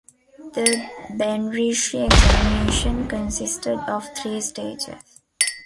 The benrishi examination consisted of three stages.